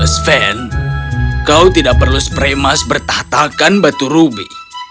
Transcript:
sven kau tidak perlu seprei emas bertatakan batu rubi